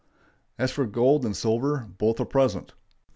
As for gold and silver, both are present.